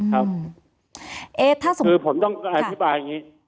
อืมถ้าสมมติคือผมต้องอธิบายอย่างนี้